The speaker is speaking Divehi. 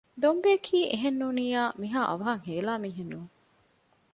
ދޮންބެއަކީ އެހެންނޫނިއްޔާ މިހާ އަވަހަށް ހޭލާ މީހެއް ނޫން